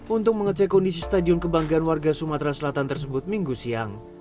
untuk mengecek kondisi stadion kebanggaan warga sumatera selatan tersebut minggu siang